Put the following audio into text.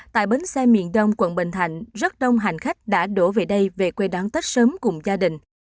tại bến xe miền đông quận bình thạnh rất đông hành khách đã đổ về đây về quê đón tết sớm cùng gia đình